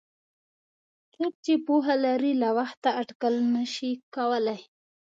څوک چې پوهه لري له وخته اټکل نشي کولای.